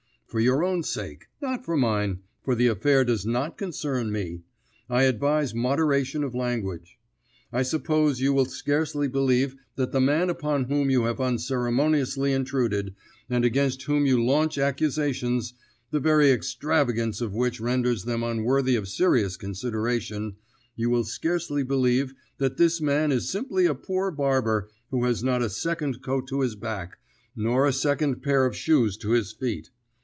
For your own sake not for mine, for the affair does not concern me I advise moderation of language. I suppose you will scarcely believe that the man upon whom you have unceremoniously intruded, and against whom you launch accusations, the very extravagance of which renders them unworthy of serious consideration you will scarcely believe that this man is simply a poor barber who has not a second coat to his back, nor a second pair of shoes to his feet.